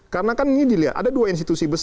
karena kan ini dilihat ada dua institusi besar